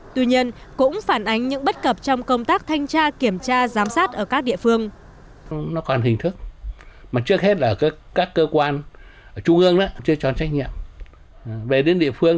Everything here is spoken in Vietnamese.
tuy nhiên cũng phản ánh những bất cập trong công tác thanh tra kiểm tra giám sát ở các địa phương